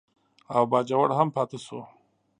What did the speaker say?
او باجوړ هم پاتې شو.